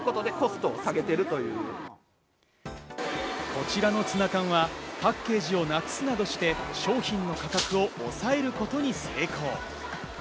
こちらのツナ缶はパッケージをなくすなどして商品の価格を抑えることに成功。